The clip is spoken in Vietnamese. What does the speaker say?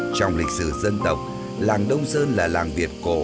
trong lịch sử dân tộc làng đông sơn là làng việt cổ